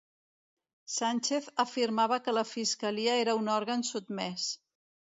Sánchez afirmava que la fiscalia era un òrgan sotmès